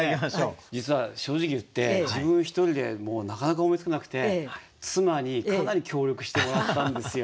いやこれね実は正直言って自分一人でなかなか思いつかなくて妻にかなり協力してもらったんですよ。